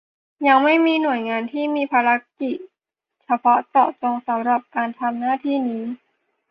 ยังไม่มีหน่วยงานที่มีภารกิจเฉพาะเจาะจงสำหรับการทำหน้าที่นี้